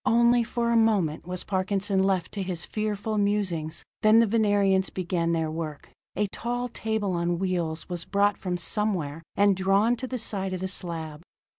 Only for a moment was Parkinson left to his fearful musings; then the Venerians begin their work. A tall table on wheels was brought from somewhere, and drawn to the side of the slab.